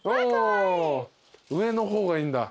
上の方がいいんだ。